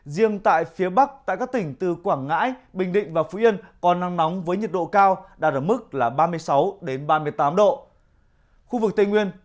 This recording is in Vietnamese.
riêng tại phía bắc tại các tỉnh từ quảng ngãi bình định và phú yên còn nắng nóng với nhiệt độ cao nhất